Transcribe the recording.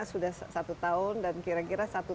sudah satu tahun dan kira kira satu